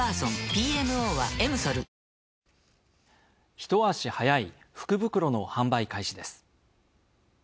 ひと足早い福袋の販売開始です。